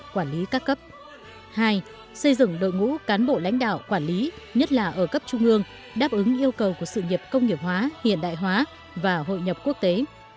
hai xây dựng đội ngũ cán bộ lãnh đạo quản lý nhất là ở cấp trung ương đáp ứng yêu cầu của sự nghiệp công nghiệp hóa hiện đại hóa và hội nhập quốc tế